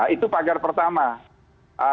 itu pagar pertama